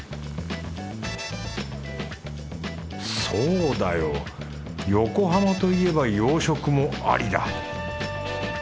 そうだよ横浜といえば洋食もありだ。